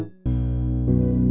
pindah dalem ya